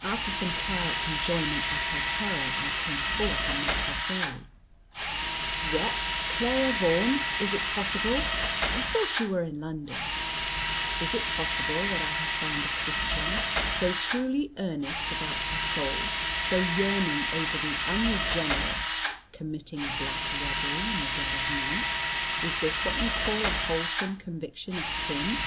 After some quiet enjoyment of her terror, I came forth, and met her fairly. "What, Clara Vaughan! Is it possible? I thought you were in London." "Is it possible that I have found a Christian, so truly earnest about her soul, so yearning over the unregenerate, committing a black robbery in the dead of night? Is this what you call a wholesome conviction of sin?"